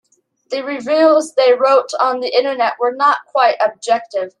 The reviews they wrote on the Internet were not quite objective.